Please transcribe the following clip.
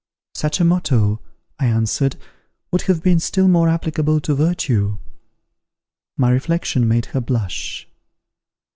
"Such a motto," I answered, "would have been still more applicable to virtue." My reflection made her blush.